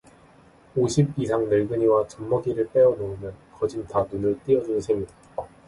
오십 이상 늙은이와 젖먹이를 빼어놓으면 거진 다 눈을 띄어 준 셈이다.